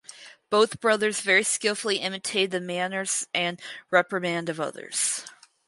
Both brothers very skillfully imitated the manners and reprimand of others.